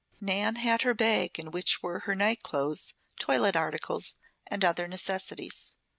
Nan had her bag in which were her night clothes, toilet articles, and other necessities.